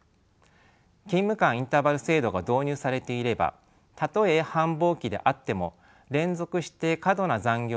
勤務間インターバル制度が導入されていればたとえ繁忙期であっても連続して過度な残業が続くことはなくなります。